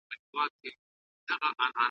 لکه سپر د خوشحال خان وم `